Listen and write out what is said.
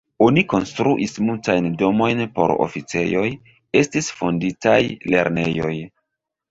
Oni konstruis multajn domoj por oficejoj, estis fonditaj lernejoj.